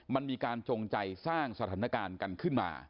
มันมีการจงใจสร้างสถานการณ์กันขึ้นมา